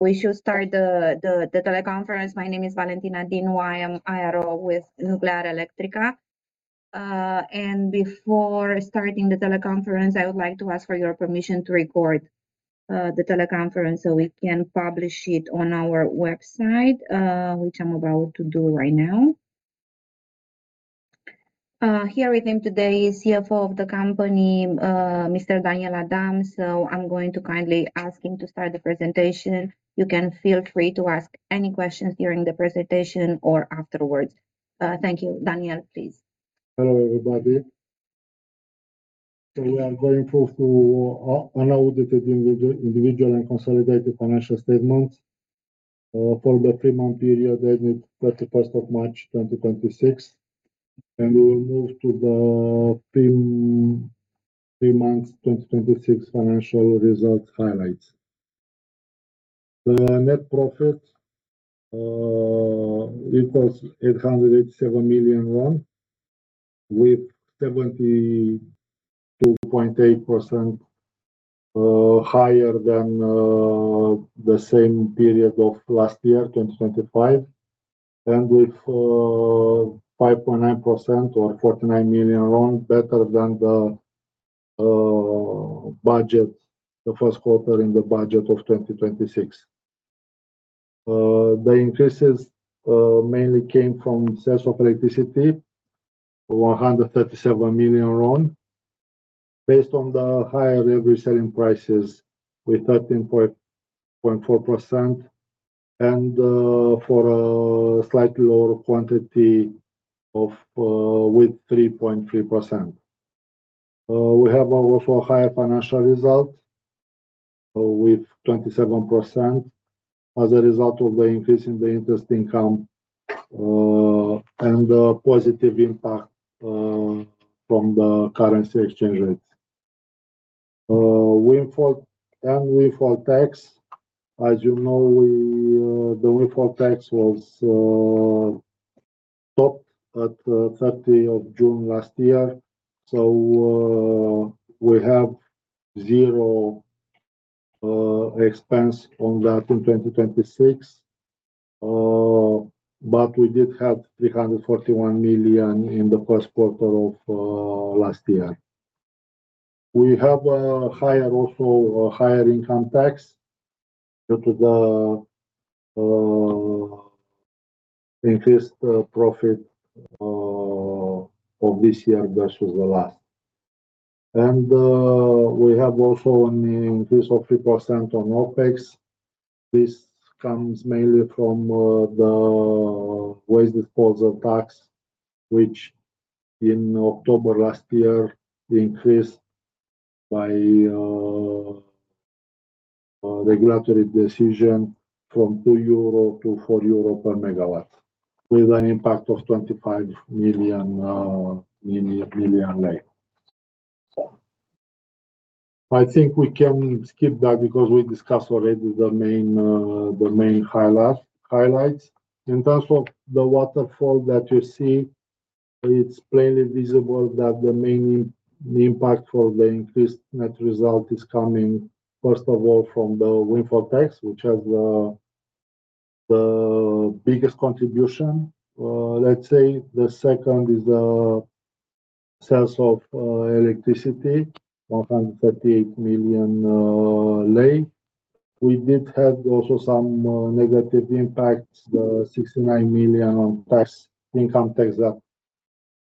We should start the teleconference. My name is Valentina Dinu. I am IRO with Nuclearelectrica. Before starting the teleconference, I would like to ask for your permission to record the teleconference so we can publish it on our website, which I'm about to do right now. Here with me today is CFO of the company, Mr. Daniel Adam. I'm going to kindly ask him to start the presentation. You can feel free to ask any questions during the presentation or afterwards. Thank you. Daniel, please. Hello, everybody. We are going through to unaudited individual and consolidated financial statements for the three-month period ended 31st of March 2026, and we will move to the three months 2026 financial results highlights. The net profit equals RON 887 million, with 72.8% higher than the same period of last year, 2025, and with 5.9% or RON 49 million better than the first quarter in the budget of 2026. The increases mainly came from sales of electricity, RON 137 million, based on the higher average selling prices with 13.4%, and for a slightly lower quantity with 3.3%. We have also higher financial result with 27% as a result of the increase in the interest income, and the positive impact from the currency exchange rates. Windfall and windfall tax. As you know, the windfall tax was stopped at the 30th of June last year. We have zero expense on that in 2026. We did have RON 341 million in the first quarter of last year. We have also higher income tax due to the increased profit of this year versus the last. We have also an increase of 3% on OpEx. This comes mainly from the waste disposal tax, which in October last year increased by regulatory decision from 2 euro to 4 euro per megawatt, with an impact of RON 25 million. I think we can skip that because we discussed already the main highlights. In terms of the waterfall that you see, it is plainly visible that the main impact for the increased net result is coming, first of all, from the windfall tax, which has the biggest contribution. Let's say the second is the sales of electricity, RON 138 million. We did have also some negative impacts, the RON 69 million on income tax that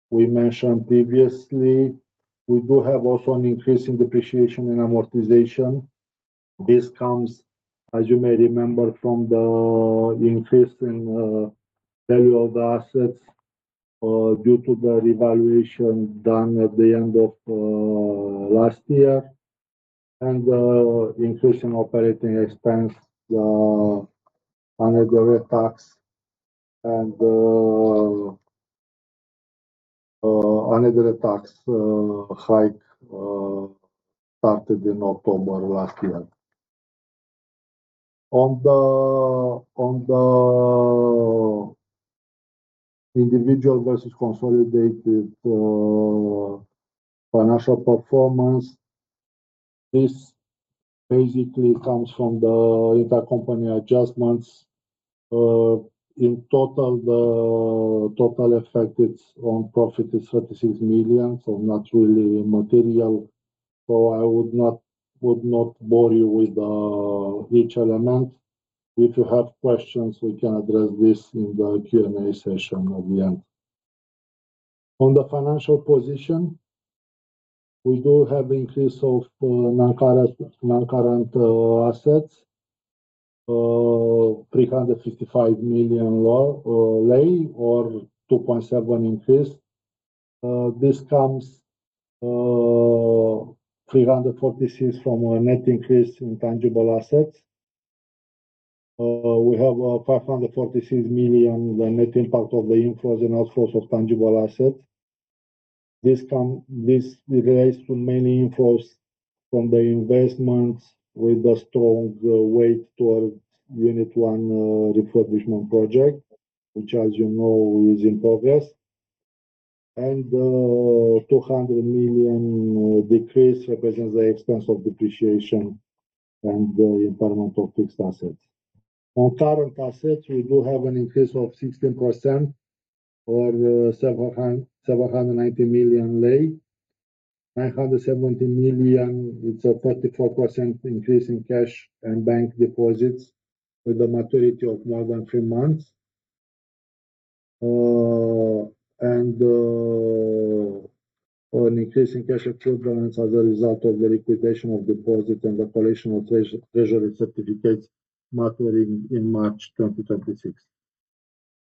we mentioned previously. We do have also an increase in depreciation and amortization. This comes, as you may remember, from the increase in value of the assets due to the revaluation done at the end of last year and the increase in OpEx, the indirect tax and another tax hike started in October last year. On the individual versus consolidated financial performance, this basically comes from the intercompany adjustments. In total, the total effect on profit is RON 36 million, so not really material. I would not bore you with each element. If you have questions, we can address this in the Q&A session at the end. On the financial position, we do have increase of non-current assets, RON 355 million or 2.7% increase. This comes RON 346 from a net increase in tangible assets. We have RON 546 million, the net impact of the inflows and outflows of tangible assets. This relates to many inflows from the investments with a strong weight towards Unit 1 refurbishment project, which, as you know, is in progress. RON 200 million decrease represents the expense of depreciation and the impairment of fixed assets. On current assets, we do have an increase of 16% or RON 790 million. RON 970 million. It's a 34% increase in cash and bank deposits with a maturity of more than three months. An increase in cash equivalents as a result of the liquidation of deposit and the collection of treasury certificates maturing in March 2026.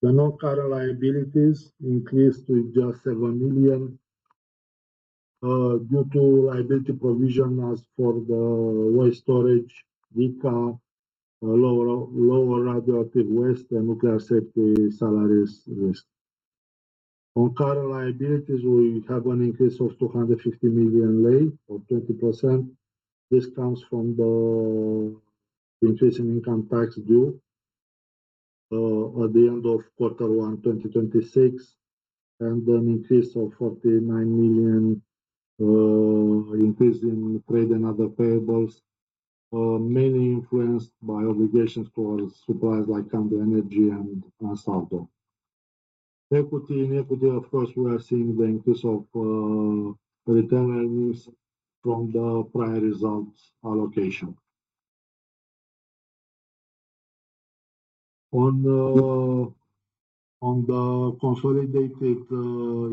The non-current liabilities increased to just RON 7 million, due to liability provision as for the waste storage, WIPP, lower radioactive waste, and nuclear safety salaries risk. On current liabilities, we have an increase of RON 250 million or 20%. This comes from the increase in income tax due, at the end of quarter one 2026, and an increase of RON 49 million, increase in trade and other payables, mainly influenced by obligations towards suppliers like Amb energy and Ansaldo. Equity. In equity, of course, we are seeing the increase of retained earnings from the prior results allocation. On the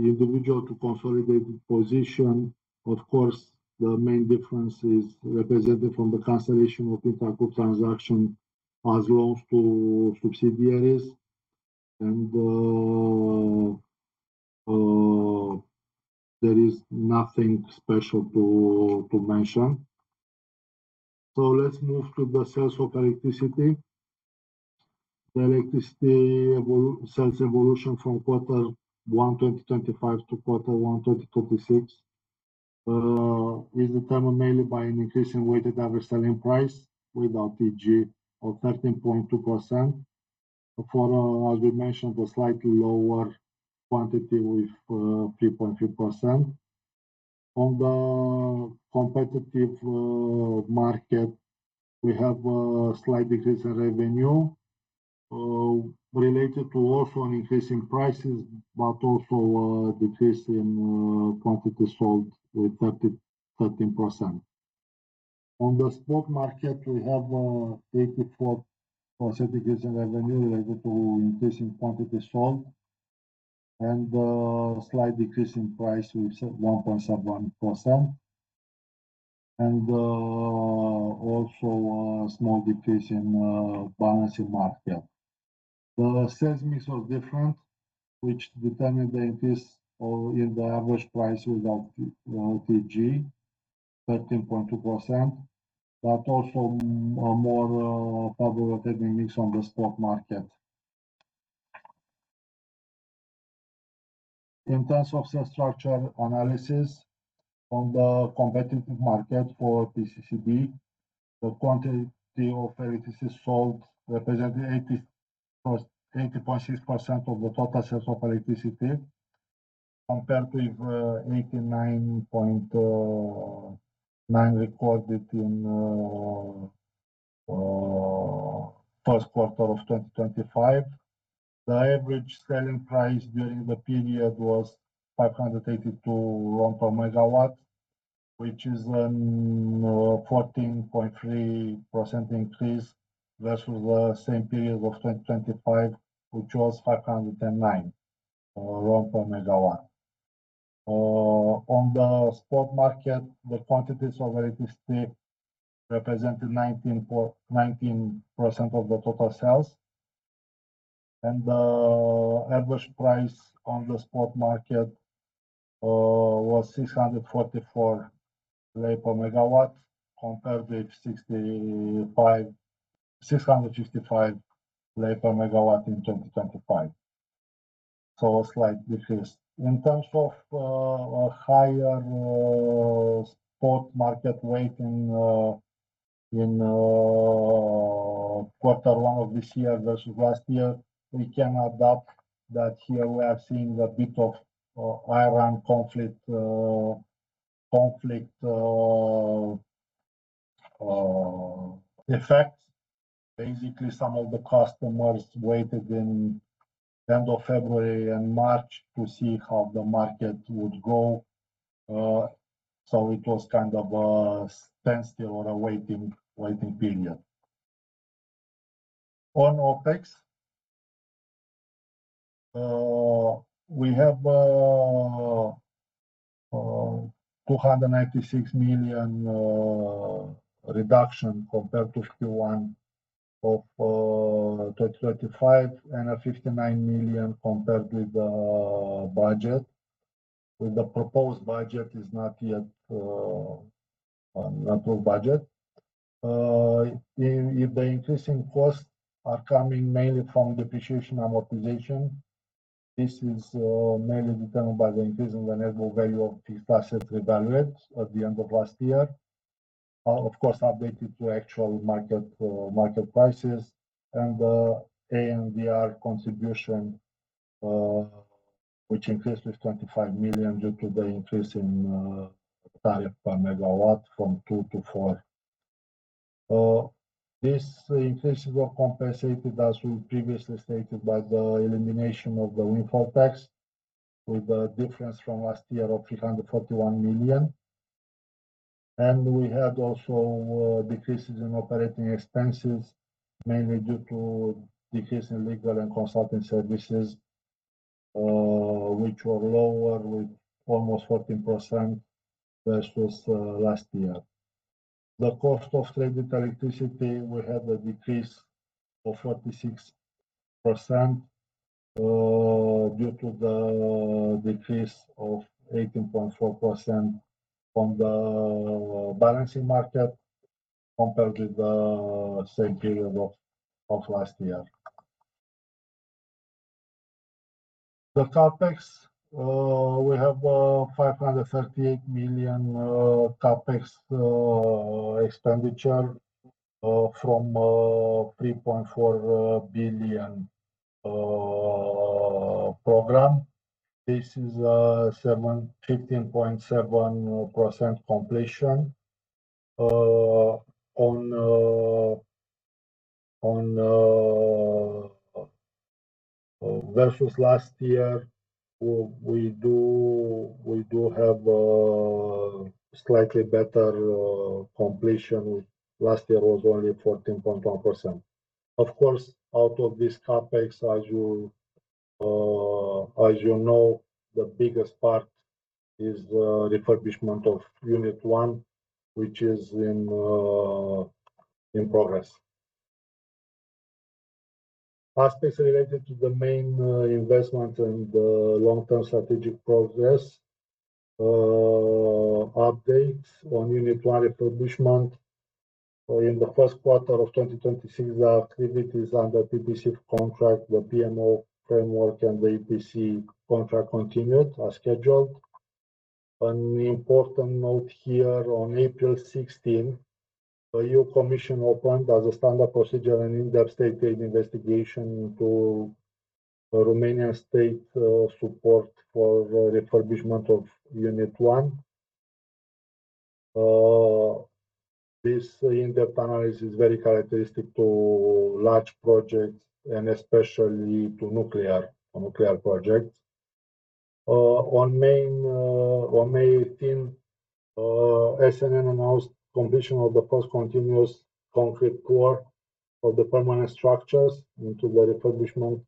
individual to consolidated position, of course, the main difference is represented from the cancellation of interco transaction as loans to subsidiaries, and there is nothing special to mention. Let's move to the sales of electricity. The electricity sales evolution from quarter one 2025 to quarter one 2026, is determined mainly by an increase in weighted average selling price with OTG of 13.2%, for, as we mentioned, the slightly lower quantity with 3.3%. On the competitive market, we have a slight decrease in revenue, related to also an increase in prices, but also a decrease in quantity sold with 13%. On the spot market, we have a 84% decrease in revenue related to decrease in quantity sold, and a slight decrease in price with 1.71%. Also a small decrease in balancing market. The sales mix was different, which determined the increase in the average price without OTG, 13.2%, but also more favorable revenue mix on the spot market. In terms of sales structure analysis on the competitive market for PCCB, the quantity of electricity sold represented 80.6% of the total sales of electricity, compared with 89.9% recorded in first quarter of 2025. The average selling price during the period was RON 582 per megawatt, which is an 14.3% increase versus the same period of 2025, which was RON 509 per megawatt. On the spot market, the quantities of electricity represented 19% of the total sales. The average price on the spot market was RON 644 per megawatt compared with RON 665 per megawatt in 2025. A slight decrease. In terms of a higher spot market weight in quarter one of this year versus last year, we can adapt that here we are seeing a bit of Iran conflict effect. Basically, some of the customers waited in the end of February and March to see how the market would go. It was kind of a standstill or a waiting period. On OpEx, we have RON 296 million reduction compared to Q1 of 2025 and RON 59 million compared with the budget. With the proposed budget is not yet an approved budget. The increase in costs are coming mainly from depreciation and amortization. This is mainly determined by the increase in the net book value of these assets revaluated at the end of last year. Of course, updated to actual market prices and ANDR contribution, which increased with RON 25 million due to the increase in tariff per megawatt from 2 to 4. This increase was compensated, as we previously stated, by the elimination of the windfall tax, with a difference from last year of RON 341 million. We had also decreases in operating expenses, mainly due to decrease in legal and consulting services, which were lower with almost 14% versus last year. The cost of traded electricity, we had a decrease of 46% due to the decrease of 18.4% from the balancing market compared with the same period of last year. The CapEx, we have RON 538 million CapEx expenditure from RON 3.4 billion program. This is 15.7% completion. Versus last year, we do have slightly better completion. Last year was only 14.1%. Of course, out of this CapEx, as you know, the biggest part is the refurbishment of Unit 1, which is in progress. Aspects related to the main investment and long-term strategic progress. Updates on Unit 1 refurbishment. In the first quarter of 2026, the activities under PPC contract, the PMO framework, and the EPC contract continued as scheduled. An important note here, on April 16, the EU Commission opened as a standard procedure, an in-depth state aid investigation into Romanian state support for the refurbishment of Unit 1. This in-depth analysis is very characteristic to large projects and especially to nuclear projects. On May 18, SNN announced completion of the first continuous concrete pour of the permanent structures into the refurbishment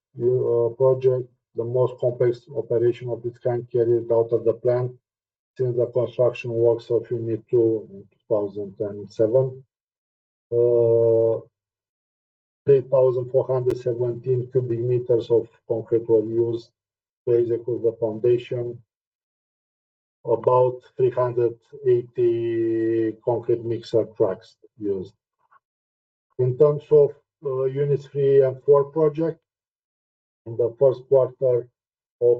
project, the most complex operation of its kind carried out at the plant since the construction works of Unit 2 in 2007. 3,417 cu m of concrete were used to execute the foundation. About 380 concrete mixer trucks used. In terms of Unit Three and Four project, in the first quarter of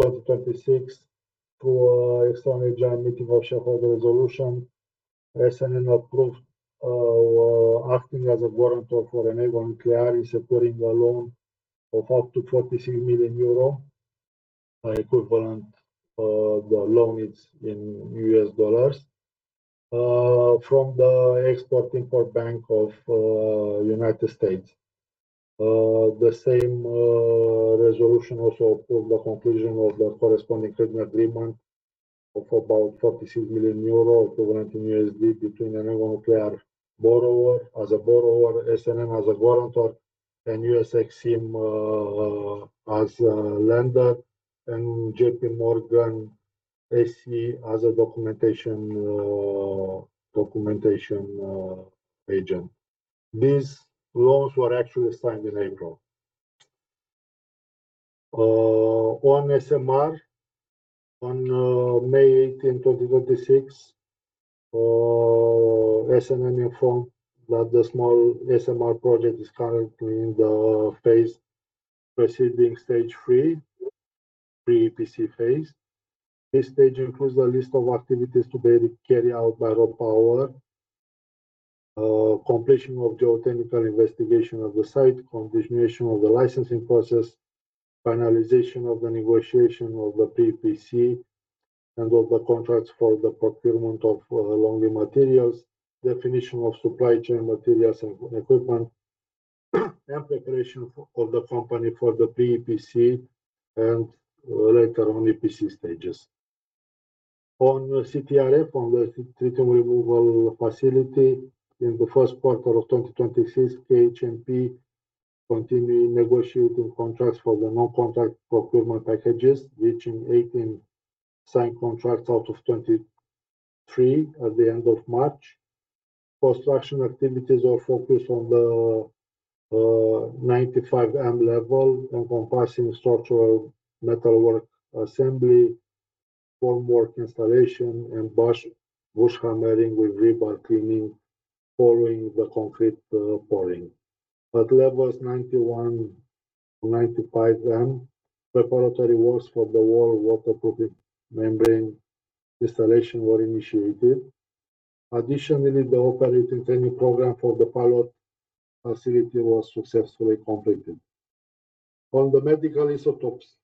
2026, through extraordinary general meeting of shareholder resolution, SNN approved acting as a guarantor for EnergoNuclear in securing a loan of up to 46 million euro, equivalent, the loan is in U.S. dollars, from the Export-Import Bank of the United States. The same resolution also approved the conclusion of the corresponding credit agreement of about 46 million euro equivalent in USD between EnergoNuclear as a borrower, SNN as a guarantor, and US EXIM as a lender, and JPMorgan Chase as a documentation agent. These loans were actually signed in April. May 18, 2026, SNN informed that the small SMR project is currently in the phase preceding stage three, pre-EPC phase. This stage includes a list of activities to be carried out by RoPower. Completion of geotechnical investigation of the site, continuation of the licensing process, finalization of the negotiation of the Pre-EPC, and of the contracts for the procurement of long lead materials, definition of supply chain materials and equipment, and preparation of the company for the Pre-EPC and later on EPC stages. On CTRF, on the treatment removal facility, in the first quarter of 2026, KHNP continue negotiating contracts for the non-CANDU procurement packages, reaching 18 signed contracts out of 23 at the end of March. Construction activities are focused on the 95M level, encompassing structural metalwork assembly, formwork installation, and bush hammering with rebar cleaning following the concrete pouring. At levels 91 and 95M. Preparatory works for the wall waterproofing membrane installation were initiated. Additionally, the operating training program for the pilot facility was successfully completed. On the medical isotopes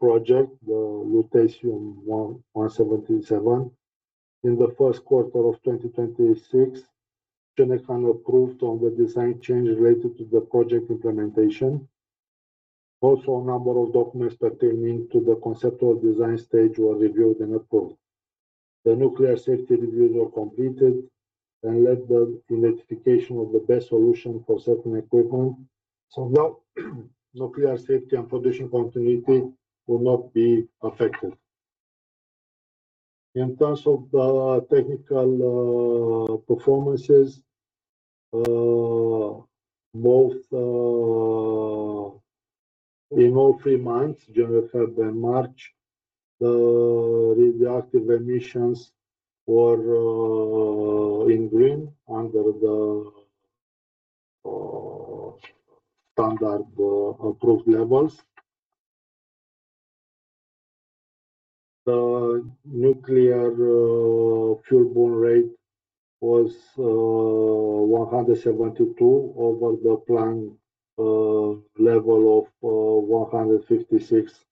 project, the lutetium-177, in the first quarter of 2026, Cernavoda approved on the design change related to the project implementation. A number of documents pertaining to the conceptual design stage were reviewed and approved. The nuclear safety reviews were completed and led the identification of the best solution for certain equipment. Nuclear safety and production continuity will not be affected. In terms of the technical performances, in all three months, January, February, March, the radioactive emissions were in green under the standard approved levels. The nuclear fuel burnup was 172 over the planned level of 156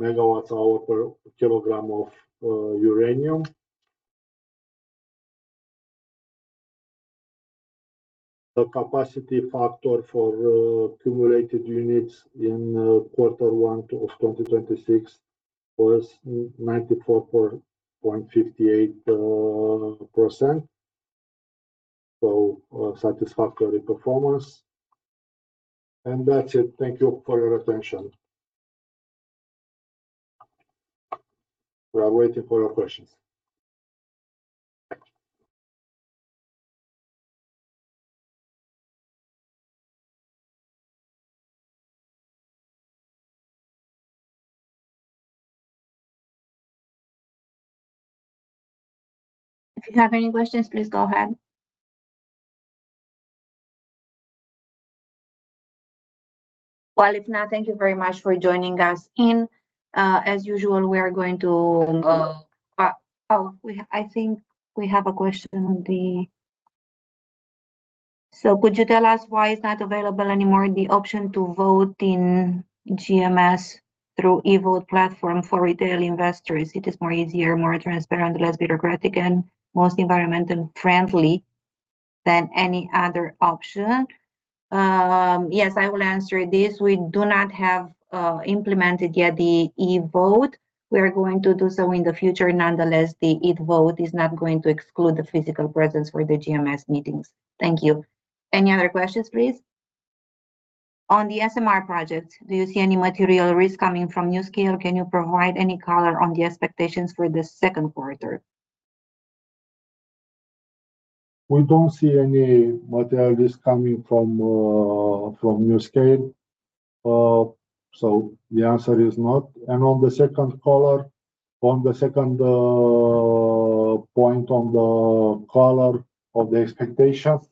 MWh/kg of uranium. The capacity factor for accumulated units in quarter one of 2026 was 94.58%. Satisfactory performance. That's it. Thank you for your attention. We are waiting for your questions. If you have any questions, please go ahead. Well, if not, thank you very much for joining us in. As usual, Oh, I think we have a question. Could you tell us why it's not available anymore, the option to vote in GMS through e-vote platform for retail investors? It is more easier, more transparent, less bureaucratic, and most environmental friendly than any other option. Yes, I will answer this. We do not have implemented yet the e-vote. We are going to do so in the future. Nonetheless, the e-vote is not going to exclude the physical presence for the GMS meetings. Thank you. Any other questions, please? On the SMR project, do you see any material risk coming from NuScale? Can you provide any color on the expectations for the second quarter? We don't see any material risk coming from NuScale. The answer is not. On the second point on the color of the expectations.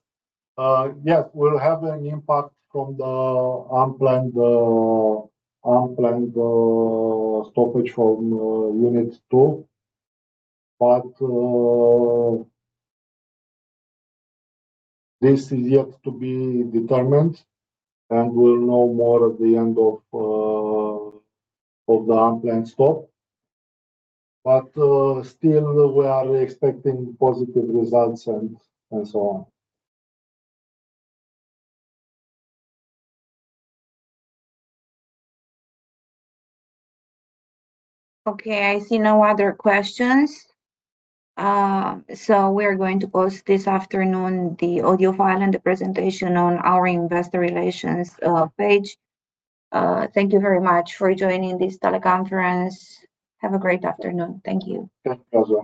Yes, we'll have an impact from the unplanned stoppage from Unit 2, but this is yet to be determined, and we'll know more at the end of the unplanned stop. Still, we are expecting positive results and so on. Okay, I see no other questions. We are going to post this afternoon the audio file and the presentation on our investor relations page. Thank you very much for joining this teleconference. Have a great afternoon. Thank you. Thank you.